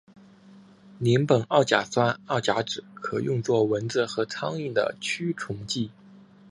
邻苯二甲酸二甲酯可用作蚊子和苍蝇的驱虫剂。